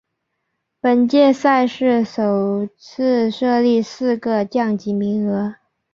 本届赛事首次设立四个降级名额。